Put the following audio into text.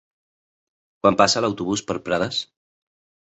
Quan passa l'autobús per Prades?